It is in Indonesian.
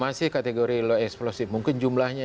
masih kategori low explosive mungkin jumlahnya